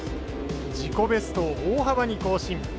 自己ベストを大幅に更新。